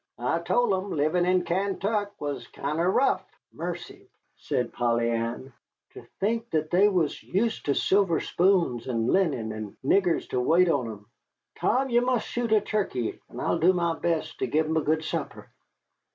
I told 'em livin' in Kaintuck was kinder rough." "Mercy!" said Polly Ann, "ter think that they was use' ter silver spoons, and linen, and niggers ter wait on 'em. Tom, ye must shoot a turkey, and I'll do my best to give 'em a good supper."